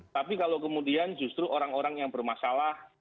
tapi kalau kemudian justru orang orang yang bermasalah